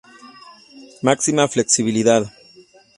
Máxima flexibilidad.